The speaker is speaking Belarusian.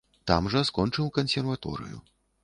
Там жа скончыў кансерваторыю.